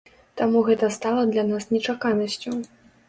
Таму гэта стала для нас нечаканасцю.